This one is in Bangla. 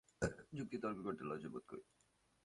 এ নিয়ে যুক্তি তর্ক করতে লজ্জা বোধ করি।